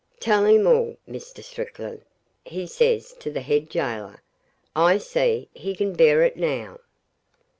'Tell him all, Mr. Strickland,' he says to the head gaoler. 'I see he can bear it now.'